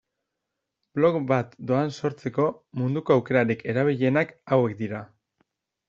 Blog bat doan sortzeko munduko aukerarik erabilienak hauek dira.